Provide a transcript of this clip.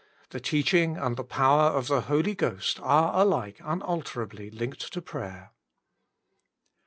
The teaching and the power of the Holy Ghost are alike unalterably linked to prayer.